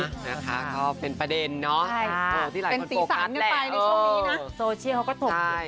นะคะเป็นประเด็นเนาะ